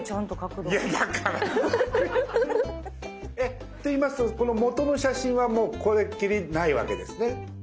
⁉って言いますとこの元の写真はもうこれっきりないわけですね。